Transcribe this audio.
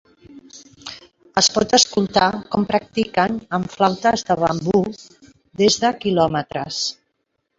Es pot escoltar com practiquen amb flautes de bambú des de kilòmetres.